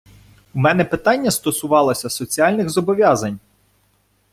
У мене питання стосувалося соціальних зобов'язань.